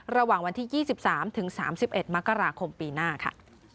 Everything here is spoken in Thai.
ระหว่างวันที่๒๓ถึง๓๑มกราคมปีหน้าค่ะ